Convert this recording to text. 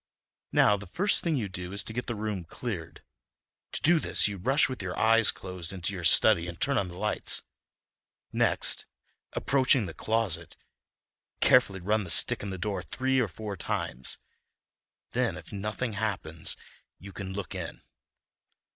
Now, the first thing to do is to get the room cleared—to do this you rush with your eyes closed into your study and turn on the lights—next, approaching the closet, carefully run the stick in the door three or four times. Then, if nothing happens, you can look in.